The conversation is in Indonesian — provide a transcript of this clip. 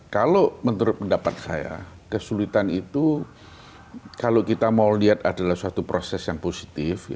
kalau menurut pendapat saya kesulitan itu kalau kita mau lihat adalah suatu proses yang positif